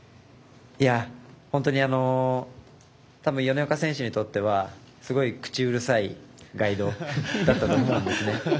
本当に多分米岡選手にとってはすごい口うるさいガイドだったと思うんですね。